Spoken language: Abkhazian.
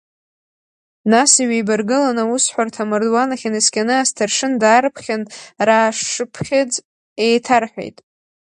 Нас иҩеибаргылан аусҳәарҭа амардуан ахь инаскьаны асҭаршын даарԥхьан, раашшыԥхьыӡ еиҭарҳәеит.